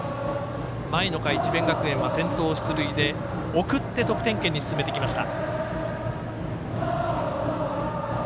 前の回、智弁学園は先頭出塁で送って得点圏に進めてきました。